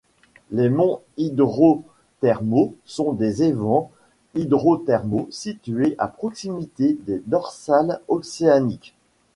Les monts hydrothermaux sont des évents hydrothermaux situés à proximité des dorsales océaniques.